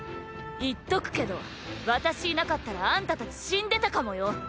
言っとくけど私いなかったらあんた達死んでたかもよ。